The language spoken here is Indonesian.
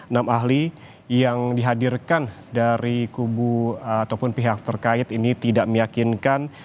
enam ahli yang dihadirkan dari kubu ataupun pihak terkait ini tidak meyakinkan